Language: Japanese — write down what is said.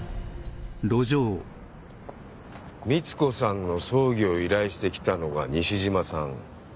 光子さんの葬儀を依頼してきたのが西島さん。